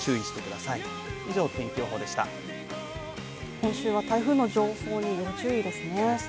今週は台風の情報に要注意ですね